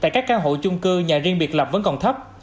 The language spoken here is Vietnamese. tại các căn hộ chung cư nhà riêng biệt lập vẫn còn thấp